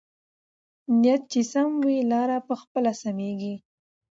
نیت چې سم وي، لاره پخپله سمېږي.